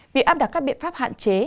việc áp đặt các biện pháp hạn chế